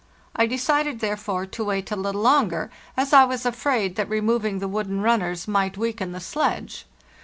I decided, therefore, to wait a little longer, as I was afraid A. HARD STRUGGLE 20 ios) that removing the wooden runners might weaken the sledge.